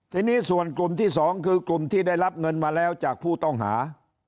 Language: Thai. ทีนี้ส่วนกลุ่มที่๒คือกลุ่มที่ได้รับเงินมาแล้วจากผู้ต้องหา